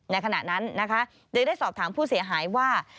ในขณะนั้นจะได้สอบถามผู้เสียหายว่า